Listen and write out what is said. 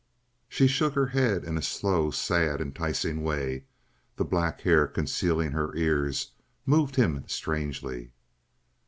She shook her head in a slow, sad, enticing way. The black hair concealing her ears moved him strangely.